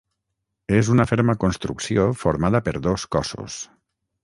És una ferma construcció formada per dos cossos.